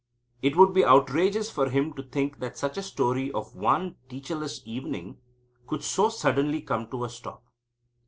It would be outrageous for him to think that such a story of one teacherless evening could so suddenly come to a stop.